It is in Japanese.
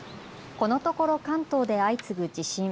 このところ関東で相次ぐ地震。